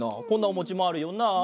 こんなおもちもあるよな。